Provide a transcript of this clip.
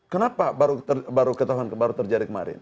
kenapa baru terjadi kemarin